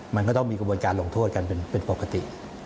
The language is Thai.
มันก็ต้องมีกระบวนการลงโทษกันเป็นปกติ